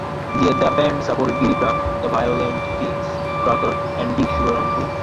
The band supported Billy Bragg, The Violent Femmes, Cracker and Big Sugar on tours.